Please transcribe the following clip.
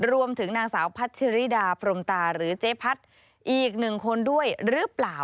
รวมถึงนางสาวพัชริดาพรมตาหรือเจ๊พัดอีกหนึ่งคนด้วยหรือเปล่า